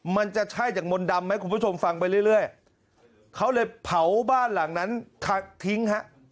มันจะใช่จากมนต์ดำไหมคุณผู้ชมฟังไปเรื่อยเขาเลยเผาบ้านหลังนั้นทิ้งฮะ